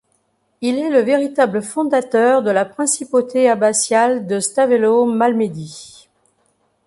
Il est le véritable fondateur de la principauté abbatiale de Stavelot-Malmedy.